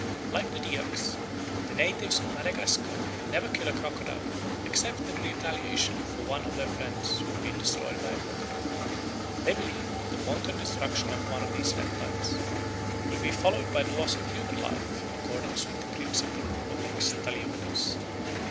Like the Dyaks, the natives of Madagascar never kill a crocodile "except in retaliation for one of their friends who has been destroyed by a crocodile. They believe that the wanton destruction of one of these reptiles will be followed by the loss of human life, in accordance with the principle of _lex talionis.